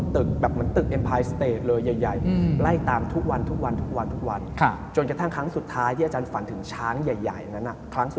ที่แอบแบ็คอาจารย์ฝันซ้ำกันฝันเห็นช้าง